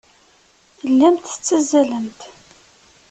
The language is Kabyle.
Tellamt tettazzalemt.